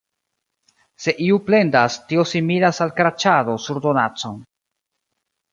Se iu plendas, tio similas al kraĉado sur donacon.